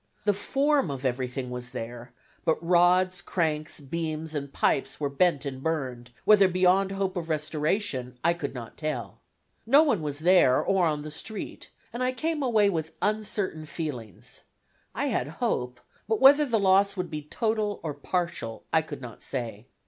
The form of everything was there, but rods, cranks, beams, and pipes were bent and burned, whether beyond hope of restoration I could not tell. No one was there or on the street, and I came away with uncertain feelings. I had hope, but whether the loss would be total or partial I could not say.